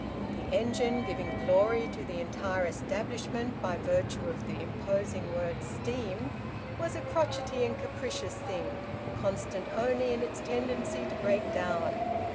The engine, giving glory to the entire establishment by virtue of the imposing word `steam', was a crotchety and capricious thing, constant only in its tendency to break down.